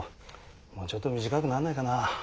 もうちょっと短くなんないかな？